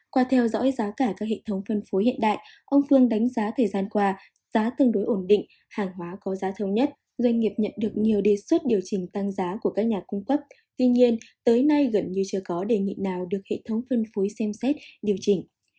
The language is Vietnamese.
qua theo dõi giá cả các hệ thống phân phối hiện đại ông phương đánh giá thời gian qua giá tương đối ổn định hàng hóa có giá thống nhất doanh nghiệp nhận được nhiều đề xuất điều chỉnh tăng giá của các nhà cung cấp tuy nhiên tới nay gần như chưa có đề nghị nào được hệ thống phân phối xem xét điều chỉnh